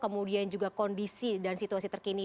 kemudian juga kondisi dan situasi terkini